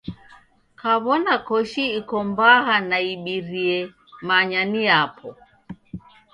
Kaw'ona koshi iko mbaha na ibirie manya ni yapo.